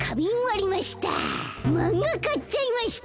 マンガかっちゃいました。